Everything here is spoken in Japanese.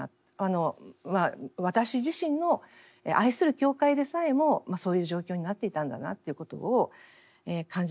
私自身の愛する教会でさえもそういう状況になっていたんだなっていうことを感じます。